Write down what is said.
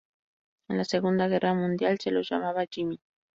En la Segunda Guerra Mundial se los llamaba "Jimmy".